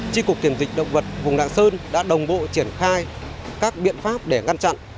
tri cục kiểm dịch động vật vùng đạng sơn đã đồng bộ triển khai các biện pháp để ngăn chặn